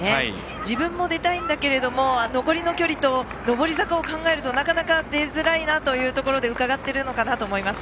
自分も出たいんだけれども残りの距離と上り坂を考えるとなかなか出づらいところでうかがっているのかなと思います。